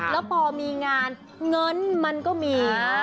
แล้วพอมีงานเงินมันก็มี